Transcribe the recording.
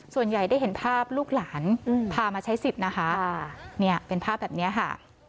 ส่วนใหญ่ได้เห็นภาพลูกหลานพามาใช้สิทธิ์นะคะเนี่ยเป็นภาพแบบนี้ค่ะ